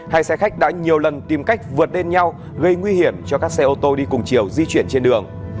hai xe khách đã nhiều lần tìm cách vượt bên nhau gây nguy hiểm cho các xe ô tô đi cùng chiều di chuyển trên đường